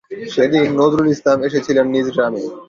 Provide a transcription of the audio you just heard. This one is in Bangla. সেদিন নজরুল ইসলাম এসেছিলেন নিজ গ্রামে।